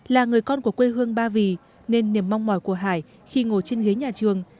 là người con của quê hương ba vì nên niềm mong mỏi của hải khi ngồi trên ghế nhà trường